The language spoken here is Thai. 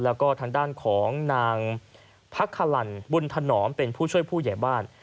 แล้วก็ทางด้านของนางพักคลันบุญถนอมเป็นผู้ช่วยผู้ใหญ่บ้าน